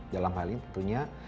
dalam hal ini tentunya